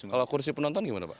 kalau kursi penonton gimana pak